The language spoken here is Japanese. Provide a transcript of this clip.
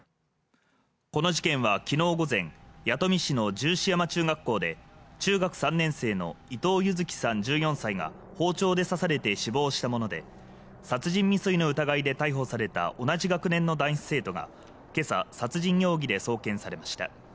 この事件は昨日午前弥富市の十四山中学校で中学３年生の伊藤柚輝さん１４歳が包丁で刺されて死亡したもので殺人未遂の疑いで逮捕された同じ学年の男子生徒が今朝、殺人容疑で送検されました。